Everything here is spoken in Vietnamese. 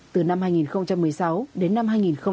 từ năm hai nghìn một mươi sáu đến năm hai nghìn một mươi chín